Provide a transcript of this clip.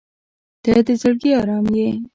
• ته د زړګي ارام یې.